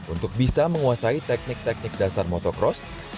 untuk bisa menguasai teknik teknik dasar motocross